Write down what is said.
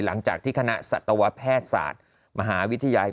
หลังจากที่คณะสัตวแพทย์ศาสตร์